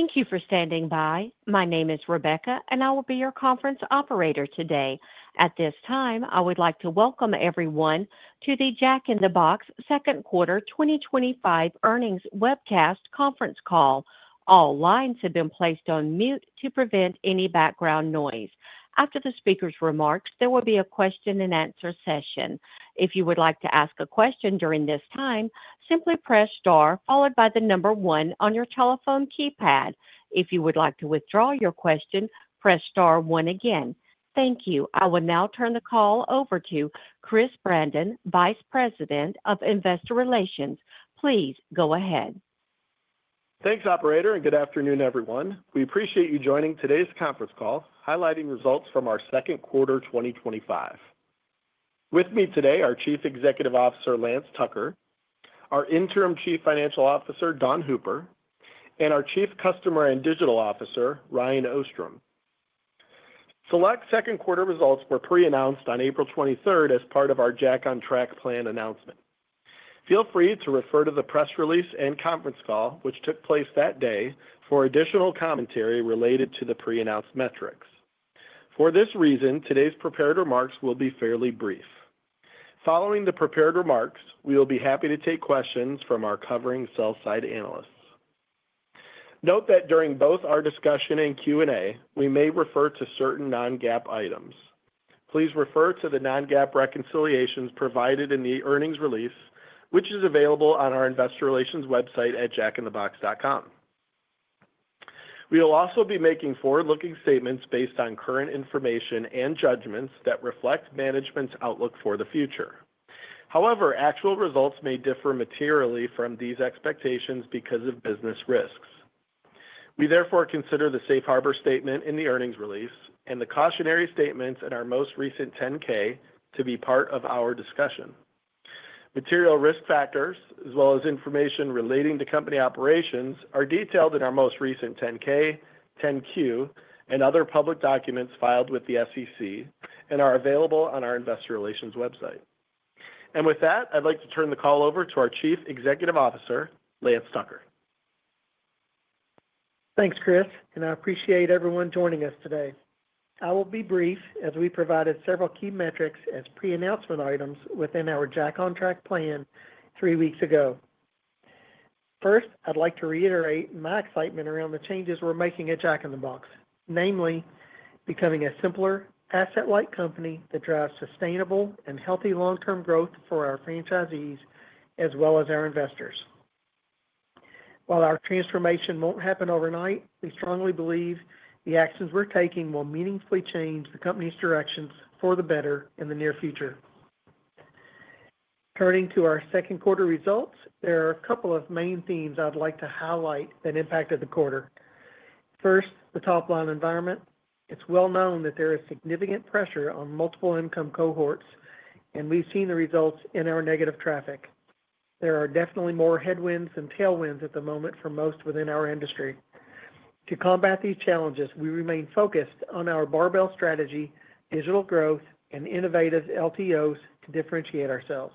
Thank you for standing by. My name is Rebecca, and I will be your conference operator today. At this time, I would like to welcome everyone to the Jack in the Box Second Quarter 2025 earnings webcast conference call. All lines have been placed on mute to prevent any background noise. After the speaker's remarks, there will be a question-and-answer session. If you would like to ask a question during this time, simply press star followed by the number one on your telephone keypad. If you would like to withdraw your question, press star one again. Thank you. I will now turn the call over to Chris Brandon, Vice President of Investor Relations. Please go ahead. Thanks, operator, and good afternoon, everyone. We appreciate you joining today's conference call, highlighting results from our second quarter 2025. With me today are Chief Executive Officer Lance Tucker, our Interim Chief Financial Officer Dawn Hooper, and our Chief Customer and Digital Officer Ryan Ostrom. Select second quarter results were pre-announced on April 23rd as part of our Jack on Track plan announcement. Feel free to refer to the press release and conference call, which took place that day, for additional commentary related to the pre-announced metrics. For this reason, today's prepared remarks will be fairly brief. Following the prepared remarks, we will be happy to take questions from our covering sell-side analysts. Note that during both our discussion and Q&A, we may refer to certain non-GAAP items. Please refer to the non-GAAP reconciliations provided in the earnings release, which is available on our Investor Relations website at jackthebox.com. We will also be making forward-looking statements based on current information and judgments that reflect management's outlook for the future. However, actual results may differ materially from these expectations because of business risks. We therefore consider the safe harbor statement in the earnings release and the cautionary statements in our most recent 10-K to be part of our discussion. Material risk factors, as well as information relating to company operations, are detailed in our most recent 10-K, 10-Q, and other public documents filed with the SEC and are available on our Investor Relations website. With that, I'd like to turn the call over to our Chief Executive Officer, Lance Tucker. Thanks, Chris, and I appreciate everyone joining us today. I will be brief as we provided several key metrics as pre-announcement items within our Jack on Track plan three weeks ago. First, I'd like to reiterate my excitement around the changes we're making at Jack in the Box, namely becoming a simpler, asset-light company that drives sustainable and healthy long-term growth for our franchisees as well as our investors. While our transformation won't happen overnight, we strongly believe the actions we're taking will meaningfully change the company's directions for the better in the near future. Turning to our second quarter results, there are a couple of main themes I'd like to highlight that impacted the quarter. First, the top line environment. It's well known that there is significant pressure on multiple income cohorts, and we've seen the results in our negative traffic. There are definitely more headwinds than tailwinds at the moment for most within our industry. To combat these challenges, we remain focused on our barbell strategy, digital growth, and innovative LTOs to differentiate ourselves.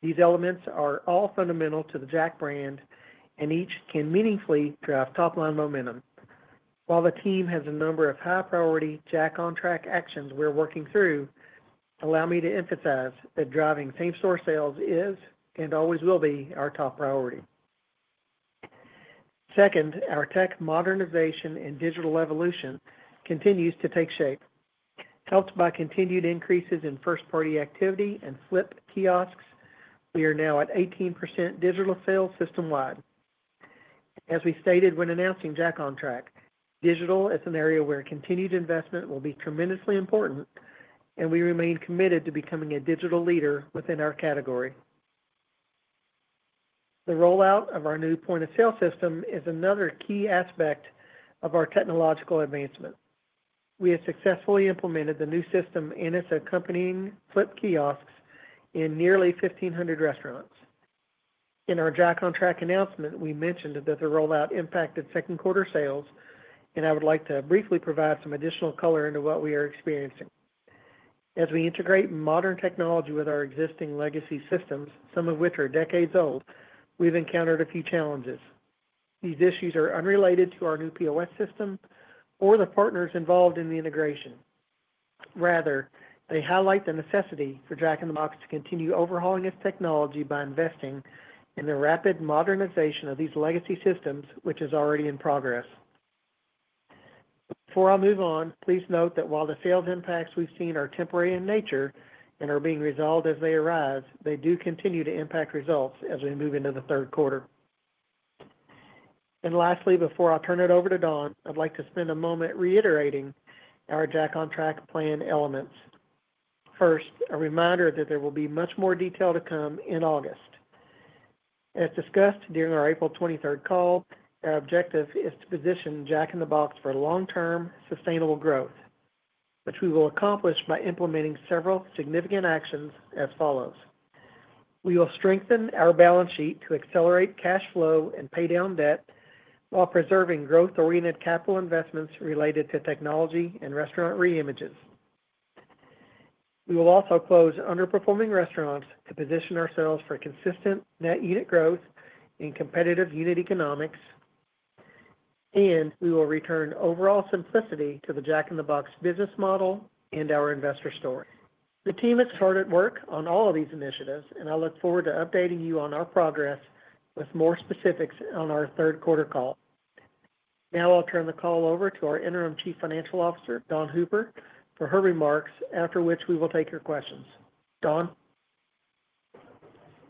These elements are all fundamental to the Jack brand, and each can meaningfully drive top line momentum. While the team has a number of high-priority Jack on Track actions we're working through, allow me to emphasize that driving same-store sales is, and always will be, our top priority. Second, our tech modernization and digital evolution continues to take shape. Helped by continued increases in first-party activity and Flip Kiosks, we are now at 18% digital sales system-wide. As we stated when announcing Jack on Track, digital is an area where continued investment will be tremendously important, and we remain committed to becoming a digital leader within our category. The rollout of our new point-of-sale system is another key aspect of our technological advancement. We have successfully implemented the new system in its accompanying Flip Kiosks in nearly 1,500 restaurants. In our Jack on Track announcement, we mentioned that the rollout impacted second-quarter sales, and I would like to briefly provide some additional color into what we are experiencing. As we integrate modern technology with our existing legacy systems, some of which are decades old, we have encountered a few challenges. These issues are unrelated to our new POS system or the partners involved in the integration. Rather, they highlight the necessity for Jack in the Box to continue overhauling its technology by investing in the rapid modernization of these legacy systems, which is already in progress. Before I move on, please note that while the sales impacts we've seen are temporary in nature and are being resolved as they arise, they do continue to impact results as we move into the third quarter. Lastly, before I turn it over to Dawn, I'd like to spend a moment reiterating our Jack on Track plan elements. First, a reminder that there will be much more detail to come in August. As discussed during our April 23rd call, our objective is to position Jack in the Box for long-term sustainable growth, which we will accomplish by implementing several significant actions as follows. We will strengthen our balance sheet to accelerate cash flow and pay down debt while preserving growth-oriented capital investments related to technology and restaurant reimages. We will also close underperforming restaurants to position ourselves for consistent net unit growth and competitive unit economics, and we will return overall simplicity to the Jack in the Box business model and our investor story. The team has started work on all of these initiatives, and I look forward to updating you on our progress with more specifics on our third quarter call. Now I'll turn the call over to our Interim Chief Financial Officer, Dawn Hooper, for her remarks, after which we will take your questions. Dawn.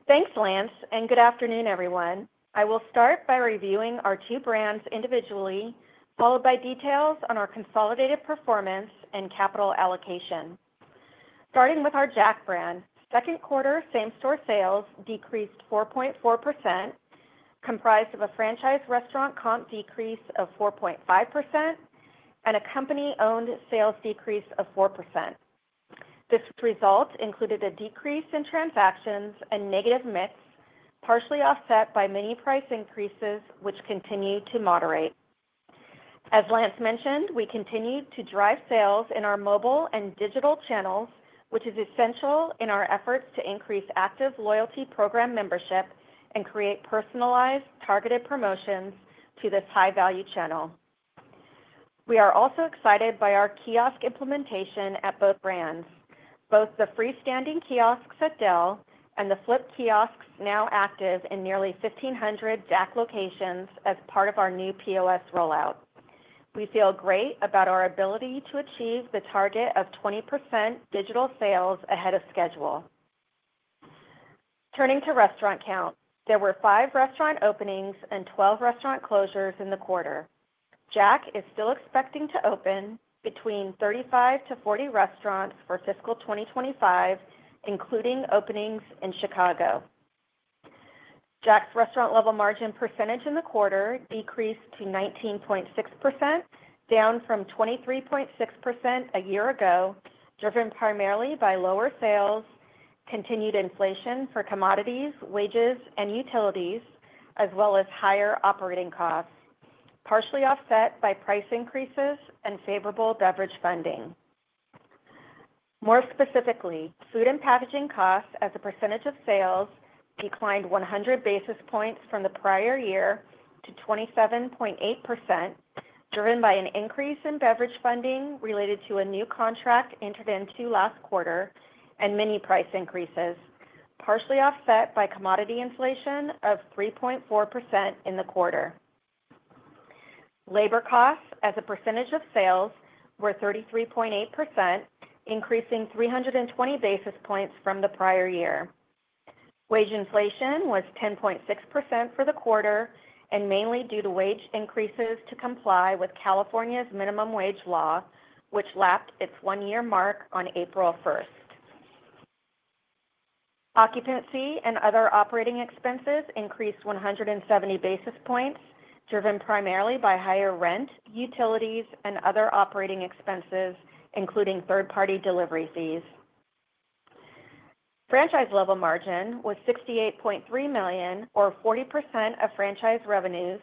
Thanks, Lance, and good afternoon, everyone. I will start by reviewing our two brands individually, followed by details on our consolidated performance and capital allocation. Starting with our Jack brand, second quarter same-store sales decreased 4.4%, comprised of a franchise restaurant comp decrease of 4.5% and a company-owned sales decrease of 4%. This result included a decrease in transactions and negative MIPS, partially offset by many price increases, which continue to moderate. As Lance mentioned, we continue to drive sales in our mobile and digital channels, which is essential in our efforts to increase active loyalty program membership and create personalized, targeted promotions to this high-value channel. We are also excited by our kiosk implementation at both brands, both the freestanding kiosks at Del Taco and the Flip Kiosks now active in nearly 1,500 Jack locations as part of our new POS rollout. We feel great about our ability to achieve the target of 20% digital sales ahead of schedule. Turning to restaurant count, there were five restaurant openings and 12 restaurant closures in the quarter. Jack is still expecting to open between 35-40 restaurants for fiscal 2025, including openings in Chicago. Jack's restaurant-level margin percentage in the quarter decreased to 19.6%, down from 23.6% a year ago, driven primarily by lower sales, continued inflation for commodities, wages, and utilities, as well as higher operating costs, partially offset by price increases and favorable beverage funding. More specifically, food and packaging costs as a percentage of sales declined 100 basis points from the prior year to 27.8%, driven by an increase in beverage funding related to a new contract entered into last quarter and many price increases, partially offset by commodity inflation of 3.4% in the quarter. Labor costs as a percentage of sales were 33.8%, increasing 320 basis points from the prior year. Wage inflation was 10.6% for the quarter, and mainly due to wage increases to comply with California's minimum wage law, which lapped its one-year mark on April 1st. Occupancy and other operating expenses increased 170 basis points, driven primarily by higher rent, utilities, and other operating expenses, including third-party delivery fees. Franchise-level margin was $68.3 million, or 40% of franchise revenues,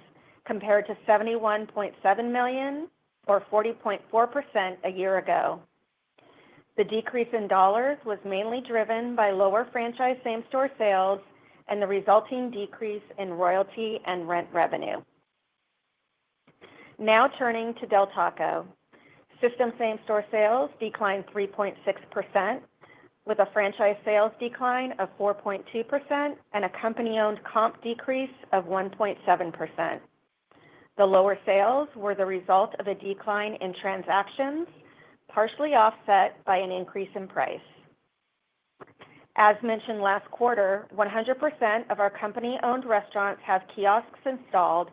compared to $71.7 million, or 40.4% a year ago. The decrease in dollars was mainly driven by lower franchise same-store sales and the resulting decrease in royalty and rent revenue. Now turning to Del Taco, system same-store sales declined 3.6%, with a franchise sales decline of 4.2% and a company-owned comp decrease of 1.7%. The lower sales were the result of a decline in transactions, partially offset by an increase in price. As mentioned last quarter, 100% of our company-owned restaurants have kiosks installed,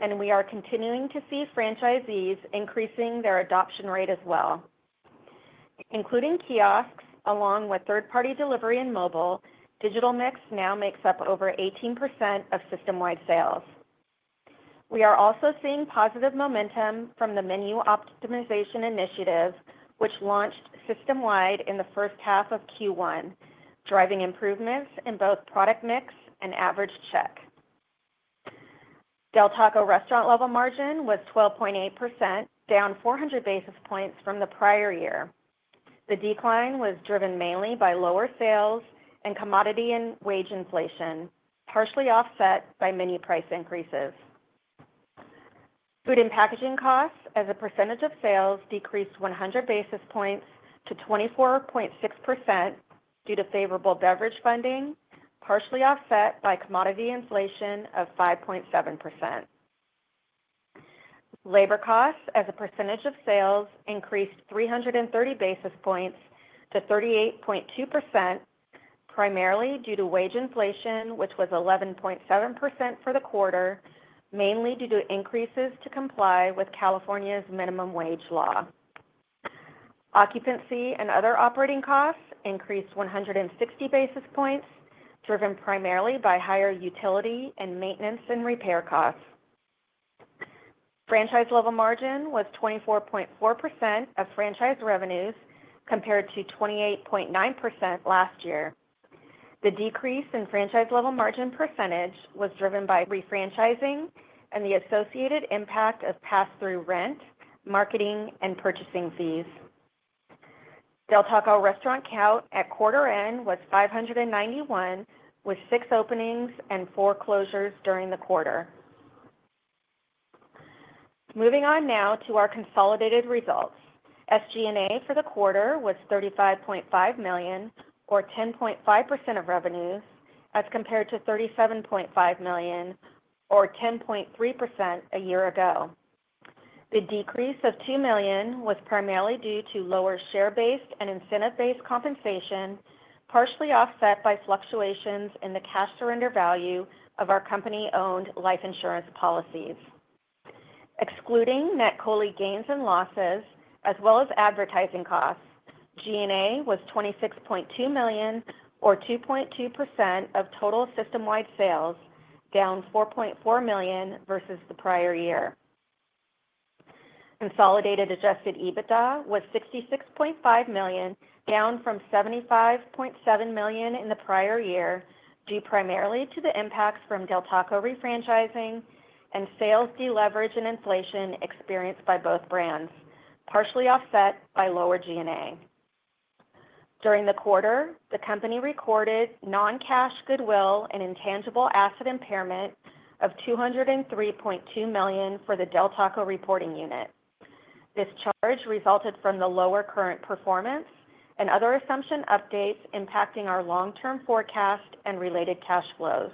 and we are continuing to see franchisees increasing their adoption rate as well. Including kiosks, along with third-party delivery and mobile, digital mix now makes up over 18% of system-wide sales. We are also seeing positive momentum from the menu optimization initiative, which launched system-wide in the first half of Q1, driving improvements in both product mix and average check. Del Taco restaurant-level margin was 12.8%, down 400 basis points from the prior year. The decline was driven mainly by lower sales and commodity and wage inflation, partially offset by many price increases. Food and packaging costs as a percentage of sales decreased 100 basis points to 24.6% due to favorable beverage funding, partially offset by commodity inflation of 5.7%. Labor costs as a percentage of sales increased 330 basis points to 38.2%, primarily due to wage inflation, which was 11.7% for the quarter, mainly due to increases to comply with California's minimum wage law. Occupancy and other operating costs increased 160 basis points, driven primarily by higher utility and maintenance and repair costs. Franchise-level margin was 24.4% of franchise revenues compared to 28.9% last year. The decrease in franchise-level margin percentage was driven by refranchising and the associated impact of pass-through rent, marketing, and purchasing fees. Del Taco restaurant count at quarter end was 591, with six openings and four closures during the quarter. Moving on now to our consolidated results. SG&A for the quarter was $35.5 million, or 10.5% of revenues, as compared to $37.5 million, or 10.3% a year ago. The decrease of $2 million was primarily due to lower share-based and incentive-based compensation, partially offset by fluctuations in the cash surrender value of our company-owned life insurance policies. Excluding net COLI gains and losses, as well as advertising costs, G&A was $26.2 million, or 2.2% of total system-wide sales, down $4.4 million versus the prior year. Consolidated adjusted EBITDA was $66.5 million, down from $75.7 million in the prior year, due primarily to the impacts from Del Taco refranchising and sales deleverage and inflation experienced by both brands, partially offset by lower G&A. During the quarter, the company recorded non-cash goodwill and intangible asset impairment of $203.2 million for the Del Taco reporting unit. This charge resulted from the lower current performance and other assumption updates impacting our long-term forecast and related cash flows.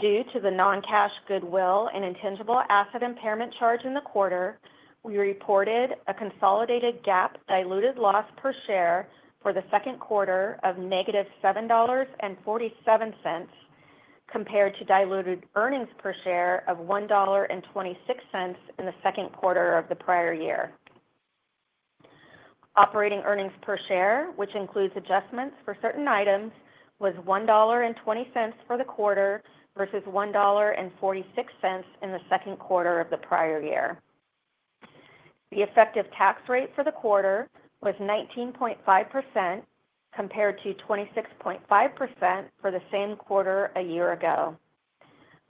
Due to the non-cash goodwill and intangible asset impairment charge in the quarter, we reported a consolidated GAAP diluted loss per share for the second quarter of negative $7.47, compared to diluted earnings per share of $1.26 in the second quarter of the prior year. Operating earnings per share, which includes adjustments for certain items, was $1.20 for the quarter versus $1.46 in the second quarter of the prior year. The effective tax rate for the quarter was 19.5%, compared to 26.5% for the same quarter a year ago.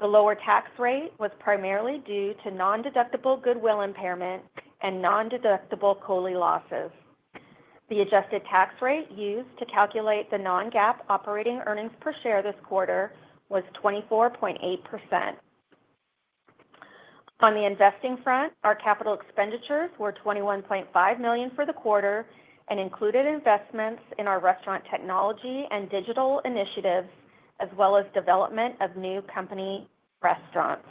The lower tax rate was primarily due to non-deductible goodwill impairment and non-deductible COLI losses. The adjusted tax rate used to calculate the non-GAAP operating earnings per share this quarter was 24.8%. On the investing front, our capital expenditures were $21.5 million for the quarter and included investments in our restaurant technology and digital initiatives, as well as development of new company restaurants.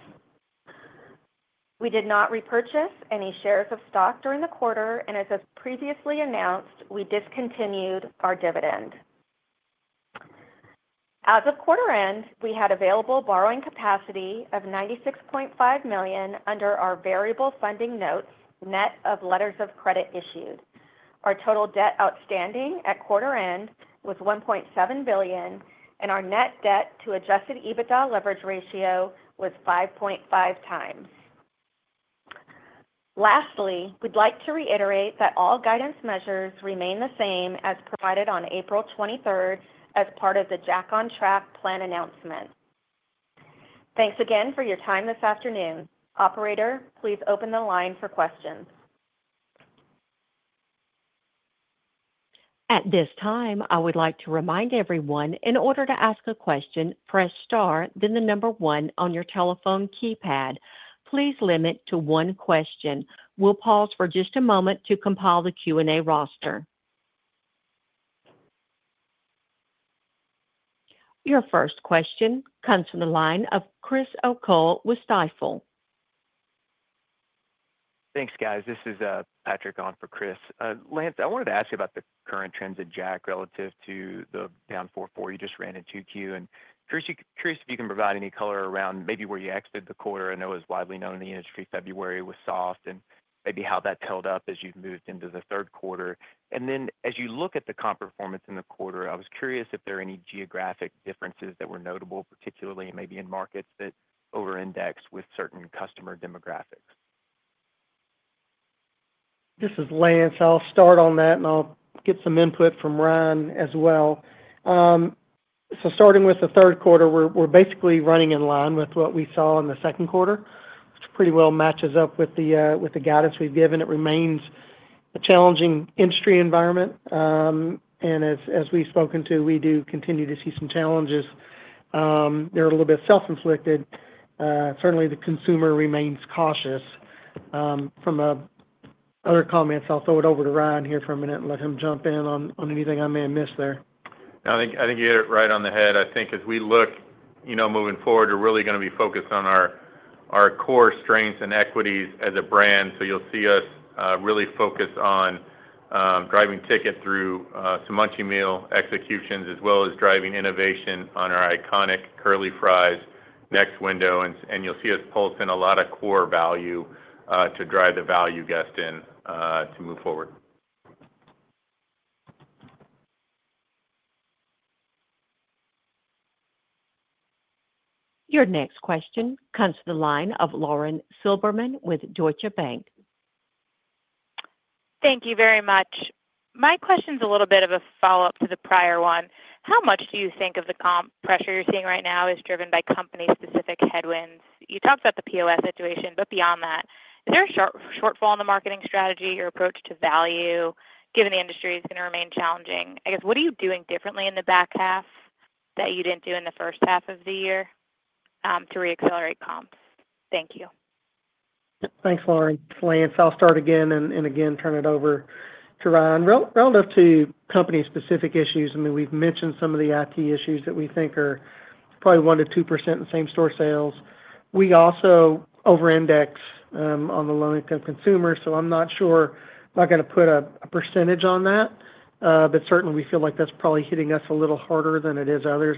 We did not repurchase any shares of stock during the quarter, and as previously announced, we discontinued our dividend. As of quarter end, we had available borrowing capacity of $96.5 million under our variable funding notes, net of letters of credit issued. Our total debt outstanding at quarter end was $1.7 billion, and our net debt to adjusted EBITDA leverage ratio was 5.5 times. Lastly, we'd like to reiterate that all guidance measures remain the same as provided on April 23rd as part of the Jack on Track plan announcement. Thanks again for your time this afternoon. Operator, please open the line for questions. At this time, I would like to remind everyone, in order to ask a question, press star, then the number one on your telephone keypad. Please limit to one question. We'll pause for just a moment to compile the Q&A roster. Your first question comes from the line of Chris O'Cull with Stifel. Thanks, guys. This is Patrick on for Chris. Lance, I wanted to ask you about the current trends in Jack relative to the down 4.4 you just ran in Q2. Chris, if you can provide any color around maybe where you exited the quarter. I know it was widely known in the industry February was soft and maybe how that held up as you've moved into the third quarter. As you look at the comp performance in the quarter, I was curious if there are any geographic differences that were notable, particularly maybe in markets that over-index with certain customer demographics. This is Lance. I'll start on that, and I'll get some input from Ryan as well. Starting with the third quarter, we're basically running in line with what we saw in the second quarter, which pretty well matches up with the guidance we've given. It remains a challenging industry environment. As we've spoken to, we do continue to see some challenges. They're a little bit self-inflicted. Certainly, the consumer remains cautious. From other comments, I'll throw it over to Ryan here for a minute and let him jump in on anything I may have missed there. I think you hit it right on the head. I think as we look moving forward, we're really going to be focused on our core strengths and equities as a brand. You'll see us really focus on driving ticket through some munchie meal executions, as well as driving innovation on our iconic Curly Fries next window. You'll see us pulse in a lot of core value to drive the value guest in to move forward. Your next question comes from the line of Lauren Silberman with Deutsche Bank. Thank you very much. My question's a little bit of a follow-up to the prior one. How much do you think of the comp pressure you're seeing right now is driven by company-specific headwinds? You talked about the POS situation, but beyond that, is there a shortfall in the marketing strategy or approach to value, given the industry is going to remain challenging? I guess, what are you doing differently in the back half that you didn't do in the first half of the year to re-accelerate comps? Thank you. Thanks, Lauren. Lance, I'll start again and again turn it over to Ryan. Relative to company-specific issues, I mean, we've mentioned some of the IT issues that we think are probably 1%-2% in same-store sales. We also over-index on the low-income consumer, so I'm not sure if I'm going to put a percentage on that. But certainly, we feel like that's probably hitting us a little harder than it is others.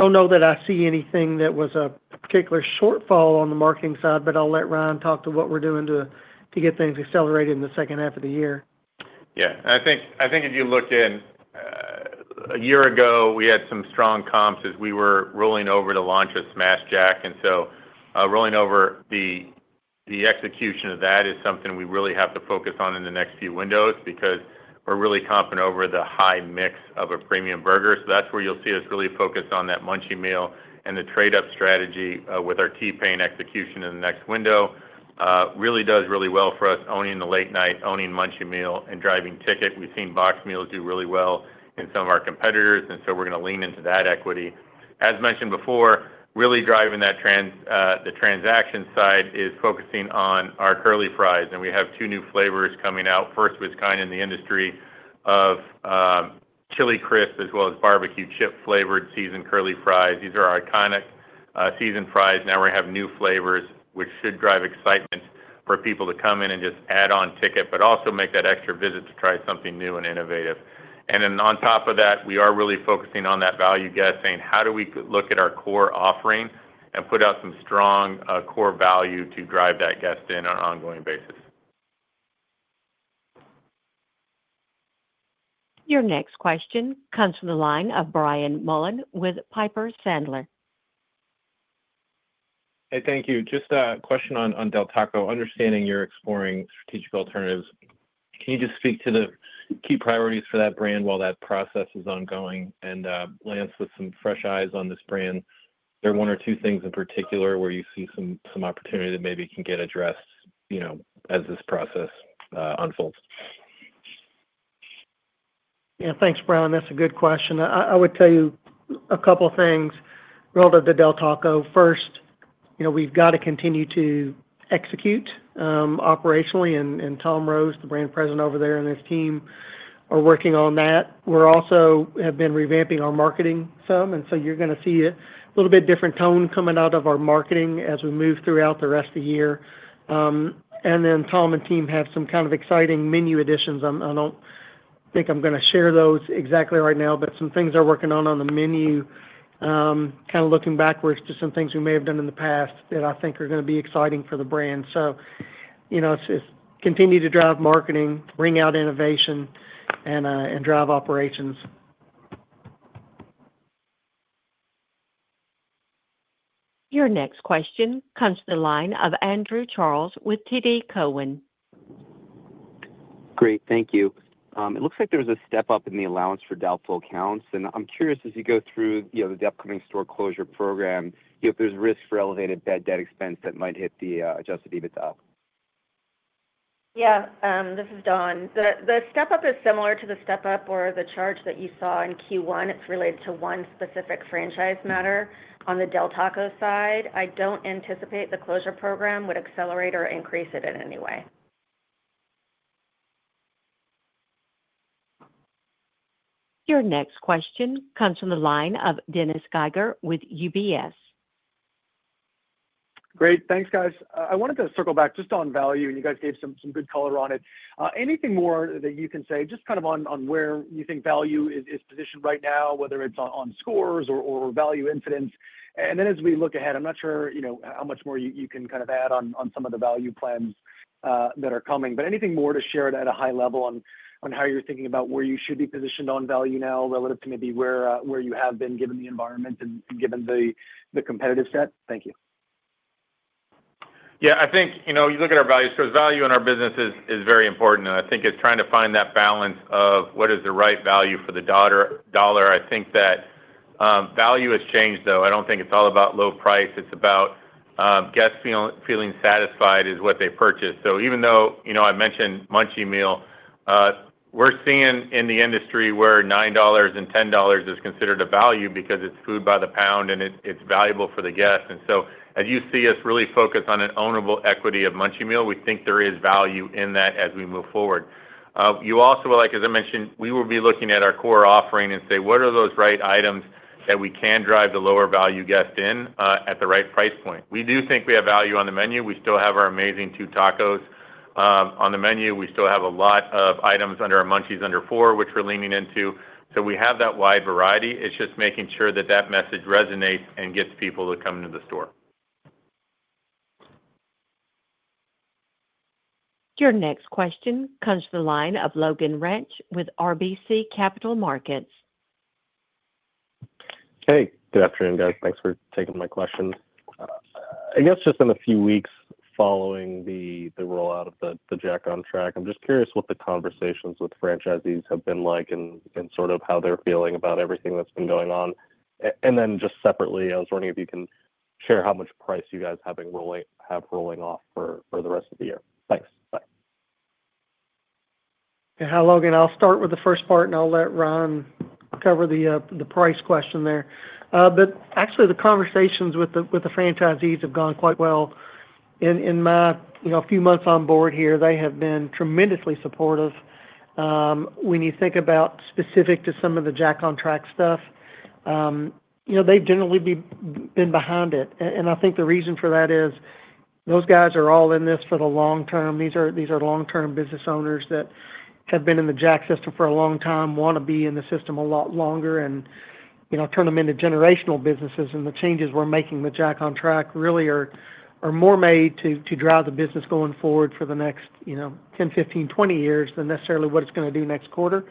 I don't know that I see anything that was a particular shortfall on the marketing side, but I'll let Ryan talk to what we're doing to get things accelerated in the second half of the year. Yeah. I think if you look in, a year ago, we had some strong comps as we were rolling over to launch a Smash Jack. And so, rolling over the execution of that is something we really have to focus on in the next few windows because we're really confident over the high mix of a premium burger. That's where you'll see us really focus on that munchie meal and the trade-up strategy with our T-Pain execution in the next window. Really does really well for us owning the late-night, owning munchie meal, and driving ticket. We've seen box meals do really well in some of our competitors, and we're going to lean into that equity. As mentioned before, really driving the transaction side is focusing on our Curly Fries. We have two new flavors coming out. First, what's kind of in the industry of chili crisp, as well as barbecue chip-flavored seasoned Curly Fries. These are our iconic seasoned fries. Now we're going to have new flavors, which should drive excitement for people to come in and just add on ticket, but also make that extra visit to try something new and innovative. On top of that, we are really focusing on that value guessing, how do we look at our core offering and put out some strong core value to drive that guest in on an ongoing basis. Your next question comes from the line of Brian Mullan with Piper Sandler. Hey, thank you. Just a question on Del Taco. Understanding you're exploring strategic alternatives, can you just speak to the key priorities for that brand while that process is ongoing? Lance, with some fresh eyes on this brand, are there one or two things in particular where you see some opportunity that maybe can get addressed as this process unfolds? Yeah. Thanks, Brian. That's a good question. I would tell you a couple of things relative to Del Taco. First, we've got to continue to execute operationally, and Tom Rose, the Brand President over there and his team, are working on that. We also have been revamping our marketing some, and you're going to see a little bit different tone coming out of our marketing as we move throughout the rest of the year. Tom and team have some kind of exciting menu additions. I don't think I'm going to share those exactly right now, but some things they're working on on the menu, kind of looking backwards to some things we may have done in the past that I think are going to be exciting for the brand. Continue to drive marketing, bring out innovation, and drive operations. Your next question comes from the line of Andrew Charles with TD Cowen. Great. Thank you. It looks like there was a step-up in the allowance for doubtful accounts. I'm curious, as you go through the upcoming store closure program, if there's risk for elevated bad debt expense that might hit the adjusted EBITDA? Yeah. This is Dawn. The step-up is similar to the step-up or the charge that you saw in Q1. It's related to one specific franchise matter on the Del Taco side. I don't anticipate the closure program would accelerate or increase it in any way. Your next question comes from the line of Dennis Geiger with UBS. Great. Thanks, guys. I wanted to circle back just on value, and you guys gave some good color on it. Anything more that you can say, just kind of on where you think value is positioned right now, whether it's on scores or value incidents? As we look ahead, I'm not sure how much more you can kind of add on some of the value plans that are coming. Anything more to share at a high level on how you're thinking about where you should be positioned on value now relative to maybe where you have been given the environment and given the competitive set? Thank you. Yeah. I think you look at our values. Value in our business is very important. I think it is trying to find that balance of what is the right value for the dollar. I think that value has changed, though. I do not think it is all about low price. It is about guests feeling satisfied with what they purchase. Even though I mentioned munchie meal, we are seeing in the industry where $9 and $10 is considered a value because it is food by the pound, and it is valuable for the guest. As you see us really focus on an ownable equity of munchie meal, we think there is value in that as we move forward. You also, as I mentioned, we will be looking at our core offering and say, "What are those right items that we can drive the lower value guest in at the right price point?" We do think we have value on the menu. We still have our amazing Two Tacos on the menu. We still have a lot of items under our munchies under four, which we're leaning into. We have that wide variety. It's just making sure that that message resonates and gets people to come into the store. Your next question comes from the line of Logan Reich with RBC Capital Markets. Hey. Good afternoon, guys. Thanks for taking my questions. I guess just in a few weeks following the rollout of the Jack on Track, I'm just curious what the conversations with franchisees have been like and sort of how they're feeling about everything that's been going on. Just separately, I was wondering if you can share how much price you guys have rolling off for the rest of the year. Thanks. Bye. Yeah. Hi, Logan. I'll start with the first part, and I'll let Ryan cover the price question there. Actually, the conversations with the franchisees have gone quite well. In my few months on board here, they have been tremendously supportive. When you think about specific to some of the Jack on Track stuff, they've generally been behind it. I think the reason for that is those guys are all in this for the long term. These are long-term business owners that have been in the Jack system for a long time, want to be in the system a lot longer, and turn them into generational businesses. The changes we're making with Jack on Track really are more made to drive the business going forward for the next 10, 15, 20 years than necessarily what it's going to do next quarter.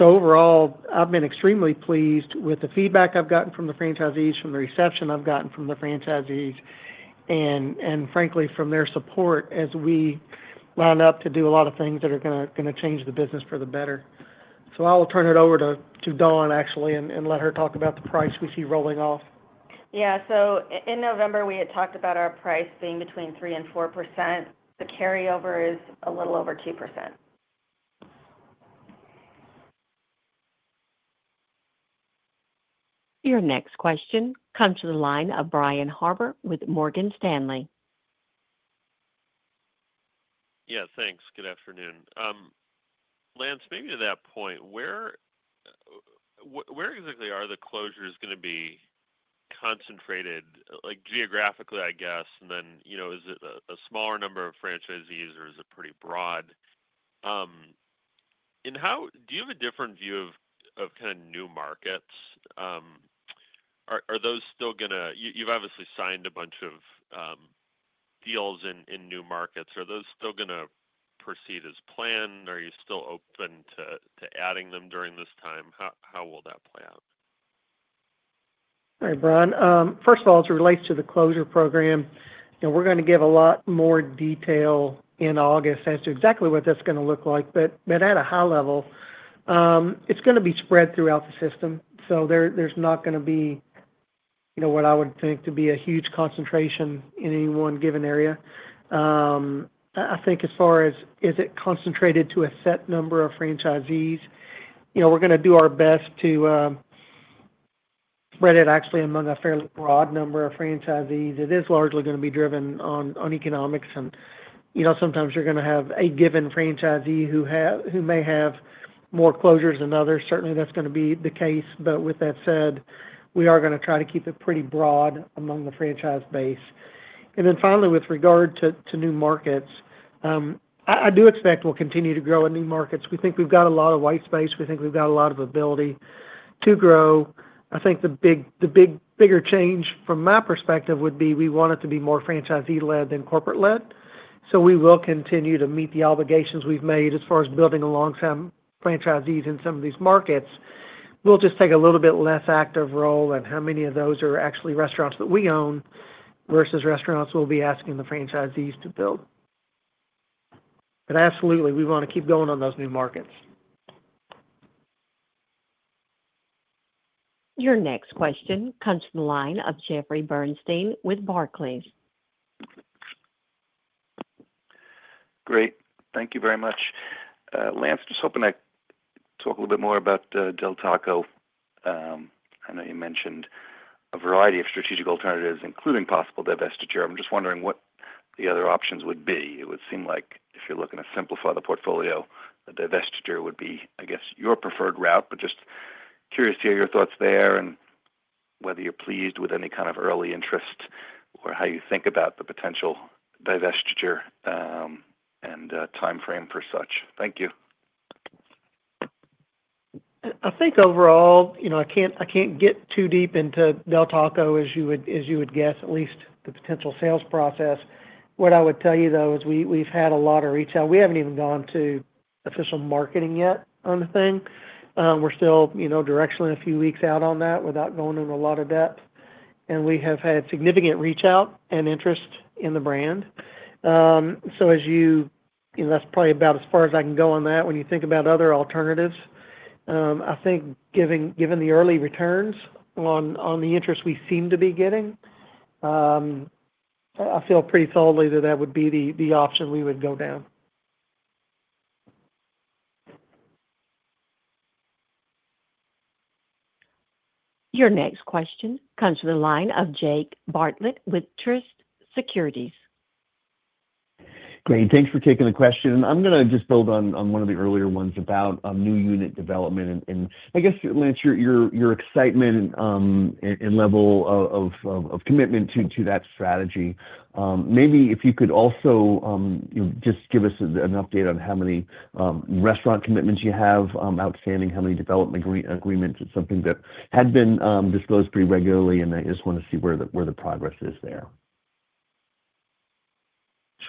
Overall, I've been extremely pleased with the feedback I've gotten from the franchisees, from the reception I've gotten from the franchisees, and frankly, from their support as we line up to do a lot of things that are going to change the business for the better. I will turn it over to Dawn, actually, and let her talk about the price we see rolling off. Yeah. In November, we had talked about our price being between 3% and 4%. The carryover is a little over 2%. Your next question comes from the line of Brian Harbour with Morgan Stanley. Yeah. Thanks. Good afternoon. Lance, maybe to that point, where exactly are the closures going to be concentrated, geographically, I guess? Is it a smaller number of franchisees, or is it pretty broad? Do you have a different view of kind of new markets? Are those still going to—you've obviously signed a bunch of deals in new markets. Are those still going to proceed as planned? Are you still open to adding them during this time? How will that play out? Hey, Brian. First of all, as it relates to the closure program, we're going to give a lot more detail in August as to exactly what that's going to look like. At a high level, it's going to be spread throughout the system. There's not going to be what I would think to be a huge concentration in any one given area. I think as far as is it concentrated to a set number of franchisees, we're going to do our best to spread it actually among a fairly broad number of franchisees. It is largely going to be driven on economics. Sometimes you're going to have a given franchisee who may have more closures than others. Certainly, that's going to be the case. With that said, we are going to try to keep it pretty broad among the franchise base. Finally, with regard to new markets, I do expect we'll continue to grow in new markets. We think we've got a lot of white space. We think we've got a lot of ability to grow. I think the bigger change from my perspective would be we want it to be more franchisee-led than corporate-led. We will continue to meet the obligations we've made as far as building a long-time franchisee in some of these markets. We'll just take a little bit less active role in how many of those are actually restaurants that we own versus restaurants we'll be asking the franchisees to build. Absolutely, we want to keep going on those new markets. Your next question comes from the line of Jeffrey Bernstein with Barclays. Great. Thank you very much. Lance, just hoping I talk a little bit more about Del Taco. I know you mentioned a variety of strategic alternatives, including possible divestiture. I'm just wondering what the other options would be. It would seem like if you're looking to simplify the portfolio, a divestiture would be, I guess, your preferred route. Just curious to hear your thoughts there and whether you're pleased with any kind of early interest or how you think about the potential divestiture and timeframe for such. Thank you. I think overall, I can't get too deep into Del Taco, as you would guess, at least the potential sales process. What I would tell you, though, is we've had a lot of reach out. We haven't even gone to official marketing yet on the thing. We're still directionally a few weeks out on that without going into a lot of depth. We have had significant reach out and interest in the brand. That's probably about as far as I can go on that. When you think about other alternatives, I think given the early returns on the interest we seem to be getting, I feel pretty solidly that that would be the option we would go down. Your next question comes from the line of Jake Bartlett with Truist Securities. Great. Thanks for taking the question. I'm going to just build on one of the earlier ones about new unit development. I guess, Lance, your excitement and level of commitment to that strategy. Maybe if you could also just give us an update on how many restaurant commitments you have outstanding, how many development agreements, it's something that had been disclosed pretty regularly, and I just want to see where the progress is there.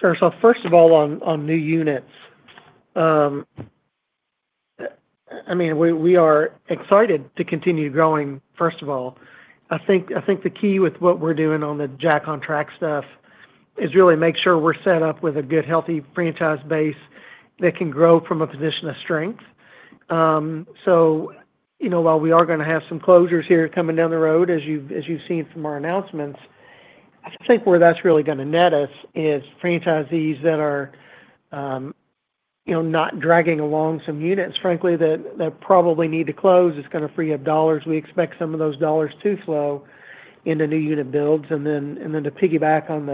Sure. First of all, on new units, I mean, we are excited to continue growing, first of all. I think the key with what we're doing on the Jack on Track stuff is really make sure we're set up with a good, healthy franchise base that can grow from a position of strength. While we are going to have some closures here coming down the road, as you've seen from our announcements, I think where that's really going to net us is franchisees that are not dragging along some units, frankly, that probably need to close. It's going to free up dollars. We expect some of those dollars to flow into new unit builds. To piggyback on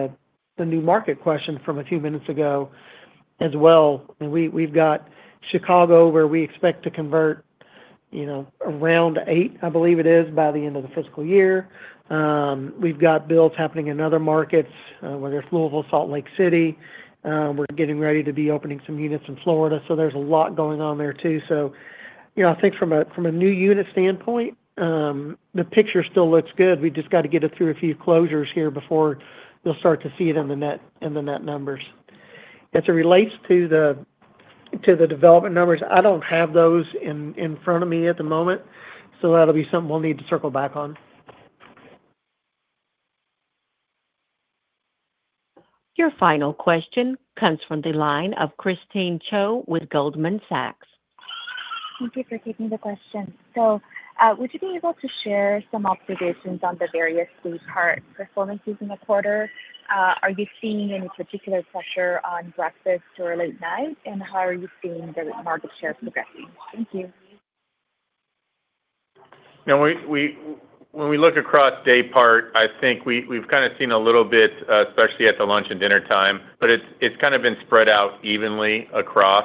the new market question from a few minutes ago as well, we have Chicago where we expect to convert around eight, I believe it is, by the end of the fiscal year. We have builds happening in other markets, whether it is Louisville, Salt Lake City. We are getting ready to be opening some units in Florida. There is a lot going on there too. I think from a new unit standpoint, the picture still looks good. We just have to get it through a few closures here before you will start to see it in the net numbers. As it relates to the development numbers, I do not have those in front of me at the moment. That will be something we will need to circle back on. Your final question comes from the line of Christine Cho with Goldman Sachs. Thank you for taking the question. So would you be able to share some observations on the various daypart performances in the quarter? Are you seeing any particular pressure on breakfast or late night? And how are you seeing the market share progressing? Thank you. Now, when we look across daypart, I think we've kind of seen a little bit, especially at the lunch and dinner time, but it's kind of been spread out evenly across.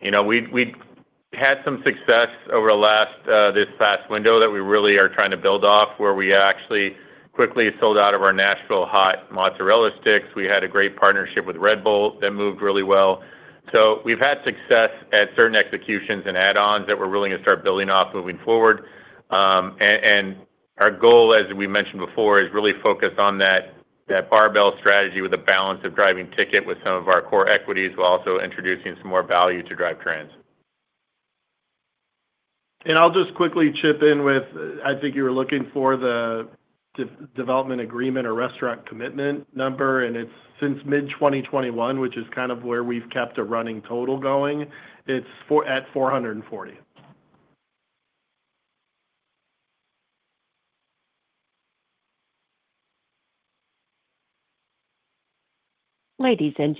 We had some success over this past window that we really are trying to build off where we actually quickly sold out of our Nashville Hot Mozzarella Sticks. We had a great partnership with Red Bull that moved really well. We have had success at certain executions and add-ons that we're willing to start building off moving forward. Our goal, as we mentioned before, is really focused on that barbell strategy with a balance of driving ticket with some of our core equities while also introducing some more value to drive trends. I'll just quickly chip in with, I think you were looking for the development agreement or restaurant commitment number, and it's since mid-2021, which is kind of where we've kept a running total going. It's at 440. Ladies and.